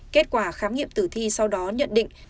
kết quả khám nghiệm tử thi sau đó nhận định